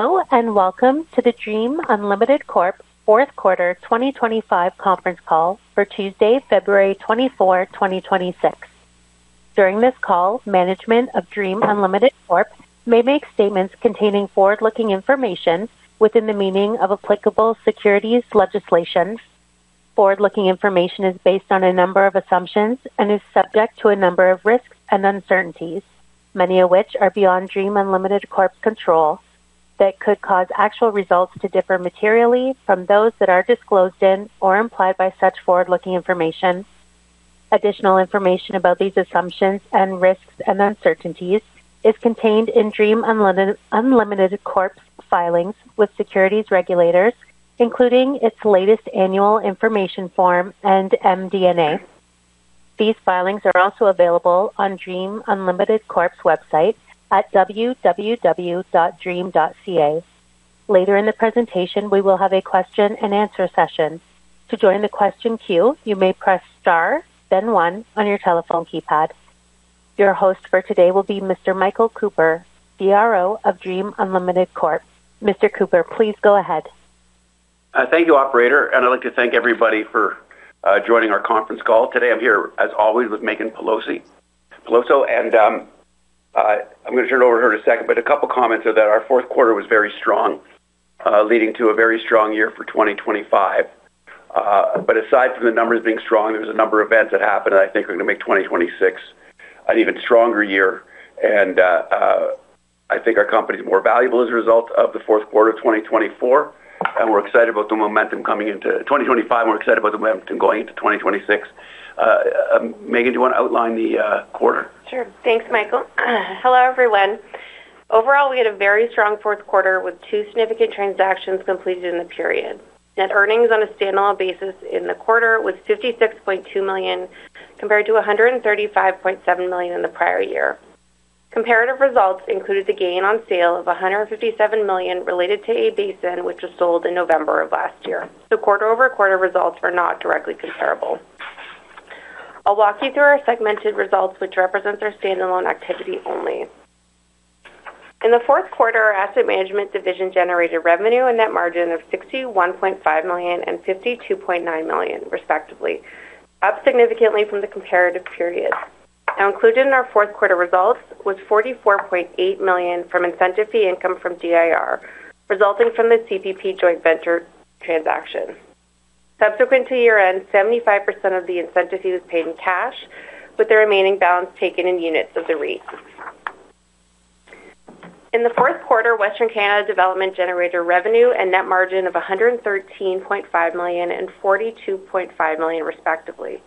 Welcome to the Dream Unlimited Corp Fourth Quarter 2025 Conference Call for Tuesday, February 24, 2026. During this call, management of Dream Unlimited Corp may make statements containing forward-looking information within the meaning of applicable securities legislation. Forward-looking information is based on a number of assumptions and is subject to a number of risks and uncertainties, many of which are beyond Dream Unlimited Corp's control, that could cause actual results to differ materially from those that are disclosed in or implied by such forward-looking information. Additional information about these assumptions, risks, and uncertainties is contained in Dream Unlimited Corp's filings with securities regulators, including its latest Annual Information Form and MD&A. These filings are also available on Dream Unlimited Corp's website at www.dream.ca. Later in the presentation, we will have a question-and-answer session. To join the question queue, you may press star, then one on your telephone keypad. Your host for today will be Mr. Michael Cooper, CRO of Dream Unlimited Corp. Mr. Cooper, please go ahead. Thank you, operator. I'd like to thank everybody for joining our conference call. Today, I'm here, as always, with Meaghan Peloso, and I'm gonna turn it over to her in a second. A couple comments are that our fourth quarter was very strong, leading to a very strong year for 2025. Aside from the numbers being strong, there was a number of events that happened, I think we're gonna make 2026 an even stronger year. I think our company is more valuable as a result of the fourth quarter of 2024, and we're excited about the momentum coming into 2025. We're excited about the momentum going into 2026. Meaghan, do you wanna outline the quarter? Sure. Thanks, Michael. Hello, everyone. Overall, we had a very strong fourth quarter with two significant transactions completed in the period. Net earnings on a standalone basis in the quarter was 56.2 million, compared to 135.7 million in the prior year. Comparative results included a gain on sale of 157 million related to A Basin, which was sold in November of last year. Quarter-over-quarter results are not directly comparable. I'll walk you through our segmented results, which represent our standalone activity only. In the fourth quarter, our asset management division generated revenue and net margin of 61.5 million and 52.9 million, respectively, up significantly from the comparative period. Included in our fourth quarter results was 44.8 million from incentive fee income from DIR, resulting from the CPP joint venture transaction. Subsequent to year-end, 75% of the incentive fee was paid in cash, with the remaining balance taken in units of the REIT. In the fourth quarter, Western Canada Development generated revenue and net margin of 113.5 million and 42.5 million, respectively.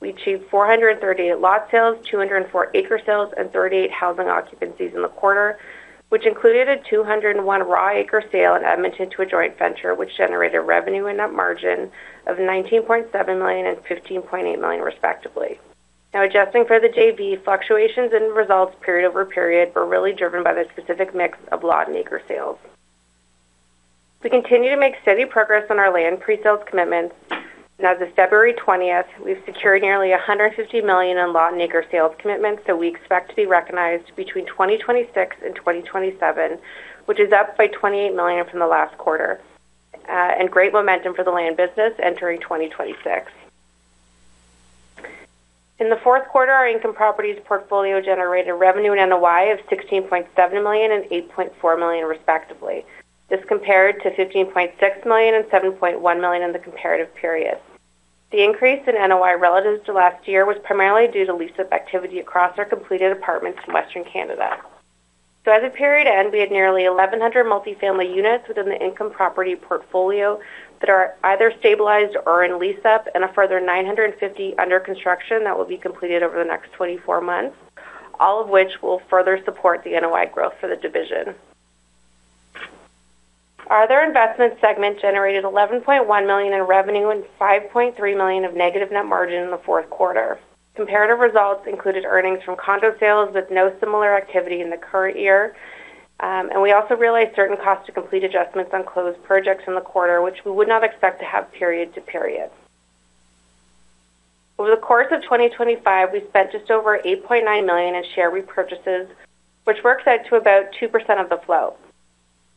We achieved 438 lot sales, 204 acre sales, and 38 housing occupancies in the quarter, which included a 201 raw acre sale in Edmonton to a joint venture, which generated revenue and net margin of 19.7 million and 15.8 million, respectively. Adjusting for the JV, fluctuations in results period over period were really driven by the specific mix of lot and acre sales. We continue to make steady progress on our land pre-sales commitments. As of February 20th, we've secured nearly 150 million in lot and acre sales commitments that we expect to be recognized between 2026 and 2027, which is up by 28 million from the last quarter, and great momentum for the land business entering 2026. In the fourth quarter, our income properties portfolio generated revenue and NOI of 16.7 million and 8.4 million, respectively. This compared to 15.6 million and 7.1 million in the comparative period. The increase in NOI relatives to last year was primarily due to lease-up activity across our completed apartments in Western Canada. As of period end, we had nearly 1,100 multifamily units within the income property portfolio that are either stabilized or in lease-up, and a further 950 under construction that will be completed over the next 24 months, all of which will further support the NOI growth for the division. Our other investment segment generated 11.1 million in revenue and 5.3 million of negative net margin in the fourth quarter. Comparative results included earnings from condo sales, with no similar activity in the current year. We also realized certain costs to complete adjustments on closed projects in the quarter, which we would not expect to have period to period. Over the course of 2025, we spent just over 8.9 million in share repurchases, which works out to about 2% of the flow.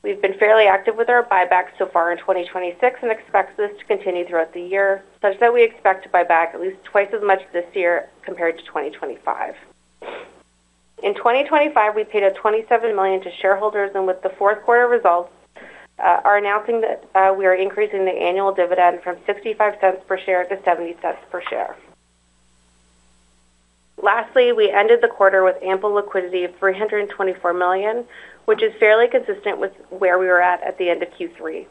We've been fairly active with our buybacks so far in 2026 and expect this to continue throughout the year, such that we expect to buy back at least twice as much this year compared to 2025. In 2025, we paid out 27 million to shareholders, and with the fourth quarter results, are announcing that we are increasing the annual dividend from 0.65 per share to 0.70 per share. Lastly, we ended the quarter with ample liquidity of 324 million, which is fairly consistent with where we were at the end of Q3.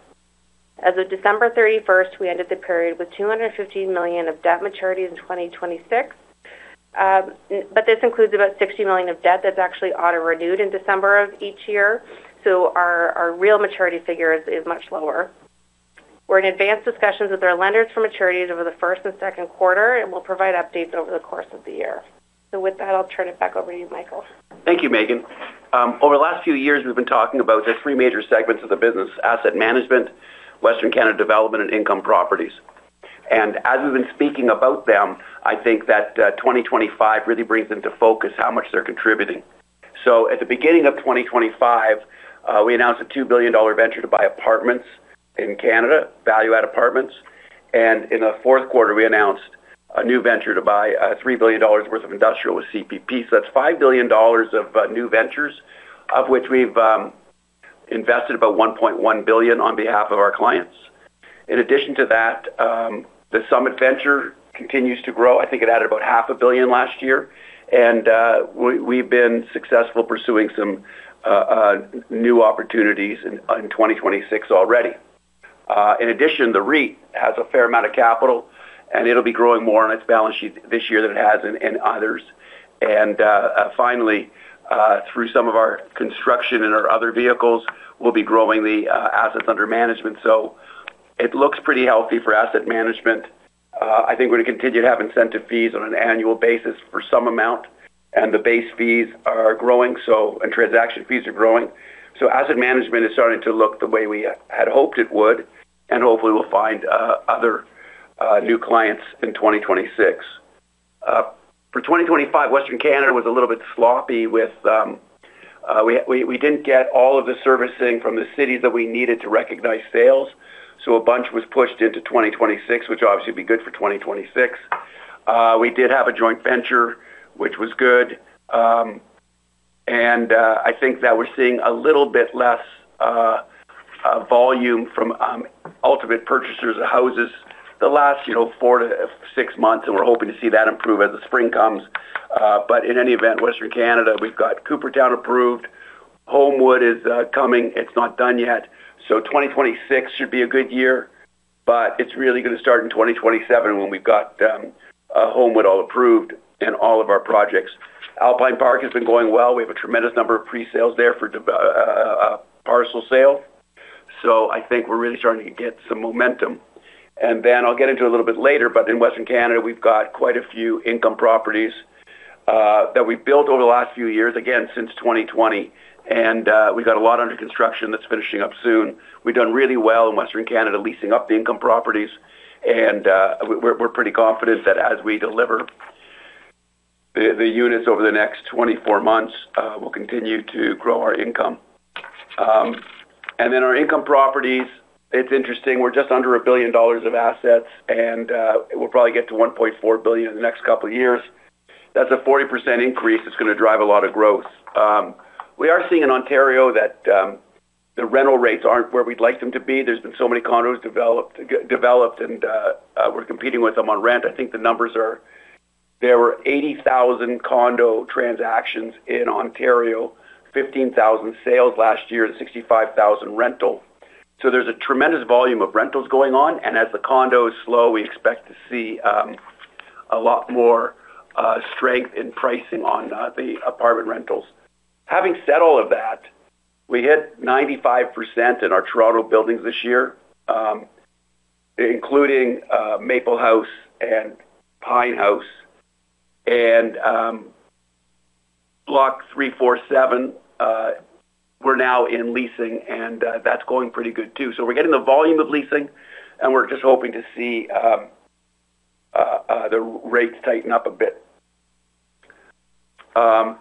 As of December 31st, we ended the period with 215 million of debt maturity in 2026. This includes about 60 million of debt that's actually auto-renewed in December of each year, so our real maturity figure is much lower. We're in advanced discussions with our lenders for maturities over the first and second quarter. We'll provide updates over the course of the year. With that, I'll turn it back over to you, Michael. Thank you, Meaghan. Over the last few years, we've been talking about the three major segments of the business: asset management, Western Canada Development, and income properties. As we've been speaking about them, I think that 2025 really brings into focus how much they're contributing. At the beginning of 2025, we announced a 2 billion dollar venture to buy apartments in Canada, value-add apartments. In the fourth quarter, we announced a new venture to buy 3 billion dollars worth of industrial with CPP. That's 5 billion dollars of new ventures, of which we've invested about 1.1 billion on behalf of our clients. In addition to that, the Summit Venture continues to grow. I think it added about half a billion last year. We've been successful pursuing some new opportunities in 2026 already. In addition, the REIT has a fair amount of capital, and it'll be growing more on its balance sheet this year than it has in others. Finally, through some of our construction and our other vehicles, we'll be growing the assets under management. It looks pretty healthy for asset management. I think we're going to continue to have incentive fees on an annual basis for some amount, and the base fees are growing, and transaction fees are growing. Asset management is starting to look the way we had hoped it would, and hopefully, we'll find other new clients in 2026. For 2025, Western Canada was a little bit sloppy with. We didn't get all of the servicing from the cities that we needed to recognize sales. A bunch was pushed into 2026, which obviously will be good for 2026. We did have a joint venture, which was good. I think that we're seeing a little bit less volume from ultimate purchasers of houses the last, you know, 4 to 6 months, and we're hoping to see that improve as the spring comes. In any event, Western Canada, we've got Coopertown approved. Homewood is coming. It's not done yet. 2026 should be a good year, but it's really going to start in 2027 when we've got Homewood all approved and all of our projects. Alpine Park has been going well. We have a tremendous number of pre-sales there for parcel sale. I think we're really starting to get some momentum. I'll get into a little bit later, but in Western Canada, we've got quite a few income properties that we've built over the last few years, again, since 2020, and we got a lot under construction that's finishing up soon. We've done really well in Western Canada, leasing up the income properties, and we're pretty confident that as we deliver the units over the next 24 months, we'll continue to grow our income. Our income properties, it's interesting. We're just under 1 billion dollars of assets, and we'll probably get to 1.4 billion in the next couple of years. That's a 40% increase that's gonna drive a lot of growth. We are seeing in Ontario that the rental rates aren't where we'd like them to be. There's been so many condos developed, and we're competing with them on rent. I think the numbers are, there were 80,000 condo transactions in Ontario, 15,000 sales last year, and 65,000 rental. There's a tremendous volume of rentals going on, and as the condos slow, we expect to see a lot more strength in pricing on the apartment rentals. Having said all of that, we hit 95% in our Toronto buildings this year, including Maple House and Pine House. Block 347, we're now in leasing, and that's going pretty good too. We're getting the volume of leasing, and we're just hoping to see the rates tighten up a bit. Meaghan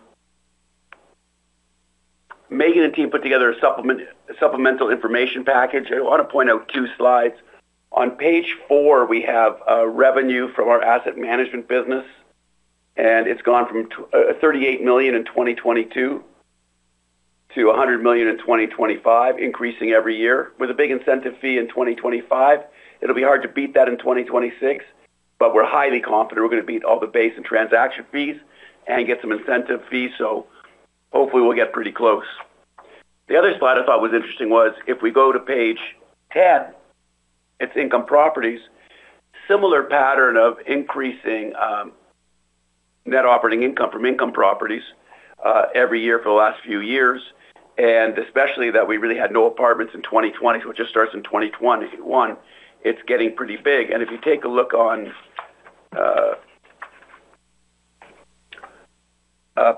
and team put together a supplemental information package. I want to point out two slides. On page 4, we have revenue from our asset management business, and it's gone from 38 million in 2022 to 100 million in 2025, increasing every year with a big incentive fee in 2025. It'll be hard to beat that in 2026, but we're highly confident we're going to beat all the base and transaction fees and get some incentive fees. Hopefully, we'll get pretty close. The other slide I thought was interesting was if we go to page 10, it's income properties. Similar pattern of increasing net operating income from income properties every year for the last few years, and especially that we really had no apartments in 2020. It just starts in 2021. It's getting pretty big. If you take a look on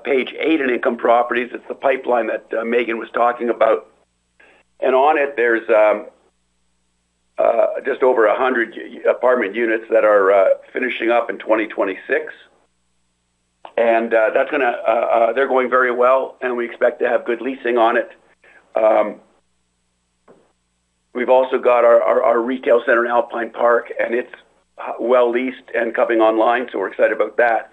page 8 in income properties, it's the pipeline that Meaghan was talking about. On it, there's just over 100 apartment units that are finishing up in 2026. They're going very well, and we expect to have good leasing on it. We've also got our retail center in Alpine Park, and it's well leased and coming online, so we're excited about that.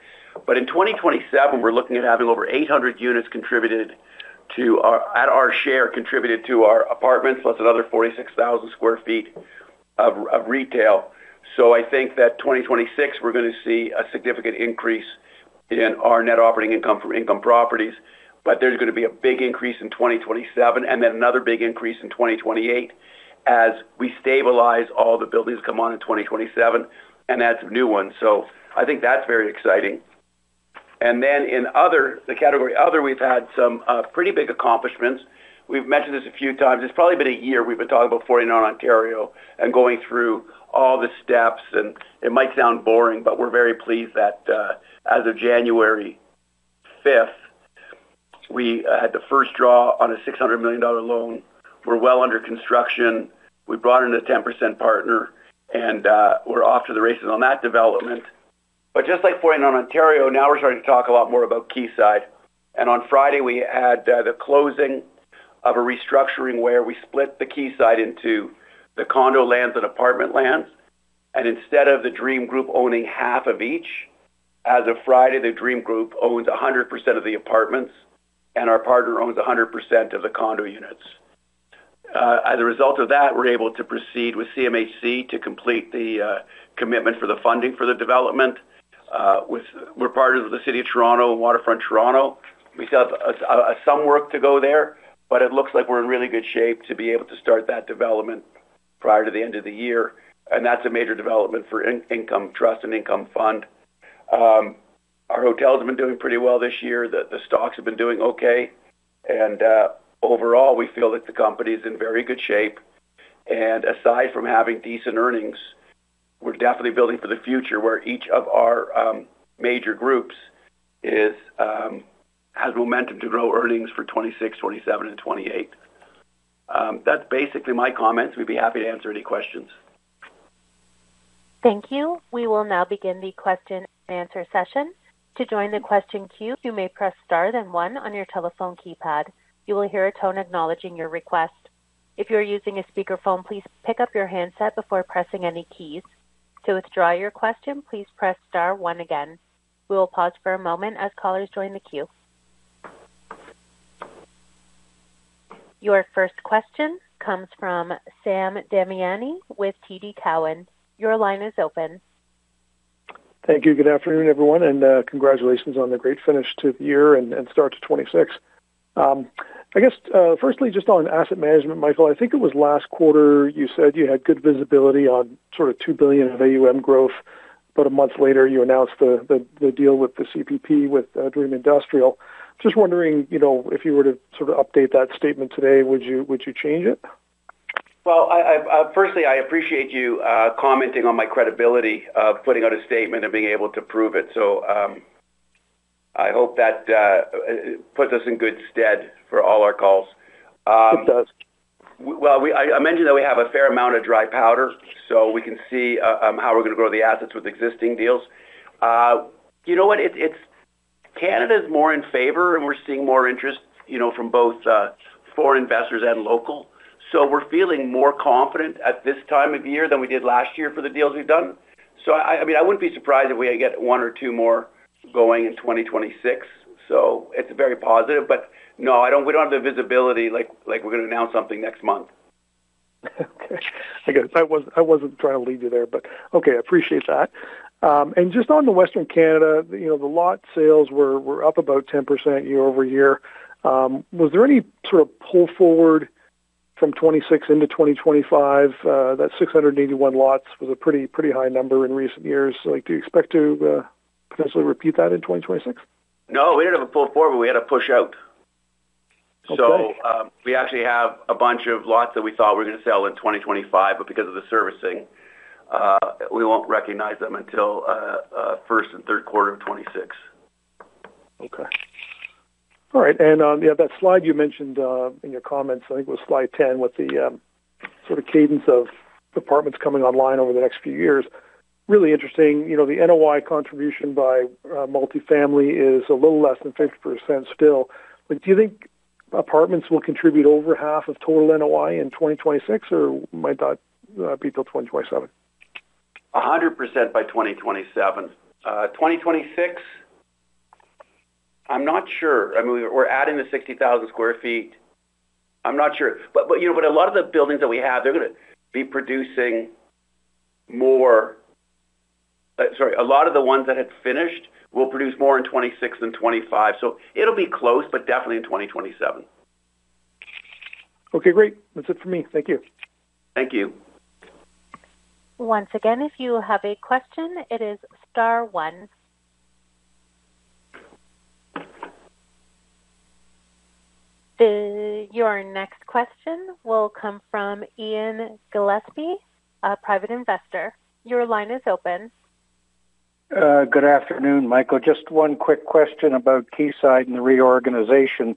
In 2027, we're looking at having over 800 units contributed at our share, contributed to our apartments, plus another 46,000 sq ft of retail. I think that 2026, we're going to see a significant increase in our net operating income from income properties, but there's going to be a big increase in 2027 and then another big increase in 2028, as we stabilize all the buildings that come on in 2027 and add some new ones. I think that's very exciting. In other, the category other, we've had some pretty big accomplishments. We've mentioned this a few times. It's probably been a year we've been talking about 49 Ontario Street and going through all the steps, and it might sound boring, but we're very pleased that, as of January fifth. We had the first draw on a 600 million dollar loan. We're well under construction. We brought in a 10% partner, and we're off to the races on that development. Just like Ontario Place, now we're starting to talk a lot more about Quayside. On Friday, we had the closing of a restructuring, where we split the Quayside into condo lands and apartment lands. Instead of the Dream Group owning half of each, as of Friday, the Dream Group owns 100% of the apartments, and our partner owns 100% of the condo units. As a result of that, we're able to proceed with CMHC to complete the commitment for the funding for the development. We're part of the City of Toronto and Waterfront Toronto. We've got some work to go there, but it looks like we're in really good shape to be able to start that development prior to the end of the year. That's a major development for income trusts and income funds. Our hotels have been doing pretty well this year. The stocks have been doing okay. Overall, we feel that the company is in very good shape. Aside from having decent earnings, we're definitely building for the future, where each of our major groups has momentum to grow earnings for 2026, 2027, and 2028. That's basically my comments. We'd be happy to answer any questions. Thank you. We will now begin the question-and-answer session. To join the question queue, you may press star, then one on your telephone keypad. You will hear a tone acknowledging your request. If you're using a speakerphone, please pick up your handset before pressing any keys. To withdraw your question, please press star one again. We will pause for a moment as callers join the queue. Your first question comes from Sam Damiani with TD Cowen. Your line is open. Thank you. Good afternoon, everyone, and congratulations on the great finish to the year and start to 26. Firstly, just on asset management, Michael, it was last quarter, you said you had good visibility on 2 billion of AUM growth, but a month later, you announced the deal with the CPP, with Dream Industrial. Just wondering if you were to update that statement today, would you change it? Firstly, I appreciate you commenting on my credibility in putting out a statement and being able to prove it. I hope that puts us in good standing for all our calls. It does. I mentioned that we have a fair amount of dry powder, and we can see how we're going to grow the assets with existing deals. You know what? It's Canada is more in favor, and we're seeing more interest from both foreign investors and locals. We're feeling more confident at this time of year than we did last year for the deals we've done. I wouldn't be surprised if we get one or two more going in 2026. It's very positive, no, we don't have the visibility, like we're going to announce something next month. I guess I wasn't trying to lead you there, but okay, I appreciate that. Just in Western Canada, the lot sales were up about 10% year-over-year. Was there any pull forward from 2026 into 2025? Those 681 lots were a pretty high number in recent years. Do you expect to potentially repeat that in 2026? No, we didn't have a pull forward. We had a push-out. We actually have a bunch of lots that we thought were going to sell in 2025, but because of the servicing, we won't recognize them until the first and third quarters of 2026. Okay. All right. That slide you mentioned, in your comments, was slide 10, with the cadence of departments coming online over the next few years. Really interesting. The NOI contribution by multifamily is a little less than 50% still. Do you think apartments will contribute over half of total NOI in 2026, or might that, be till 2027? 100% by 2027. 2026, I'm not sure. We're adding the 60,000 sq ft. I'm not sure. A lot of the ones that had finished will produce more in '26 than '25, it will be close, but definitely in 2027. Okay, great. That's it for me. Thank you. Thank you. Once again, if you have a question, it is star one. Your next question will come from Ian Gillespie, a private investor. Your line is open. Good afternoon, Michael. Just one quick question about Quayside and the reorganization.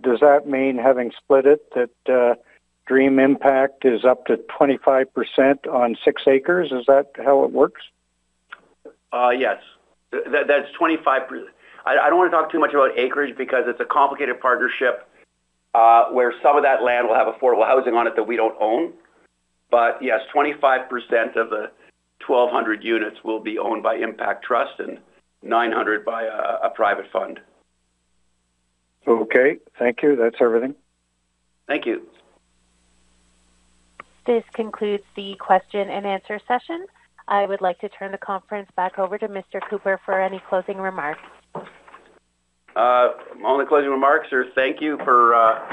Does that mean, having split it, Dream Impact is up to 25% on 6 acres? Is that how it works? Yes. That's 25%. I don't want to talk too much about acreage because it's a complicated partnership, where some of that land will have affordable housing on it that we don't own. Yes, 25% of the 1,200 units will be owned by Impact Trust and 900 by a private fund. Okay, thank you. That's everything. Thank you. This concludes the question and answer session. I would like to turn the conference back over to Mr. Cooper for any closing remarks. My only closing remarks are thank you for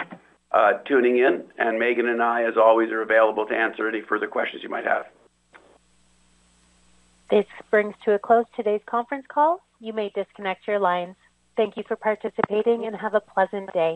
tuning in, and Meaghan and I, as always, are available to answer any further questions you might have. This brings to a close today's conference call. You may disconnect your lines. Thank you for participating, and have a pleasant day.